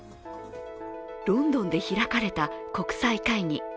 ロンドンで開かれた国際会議。